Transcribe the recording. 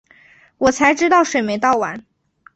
我才知道水没倒完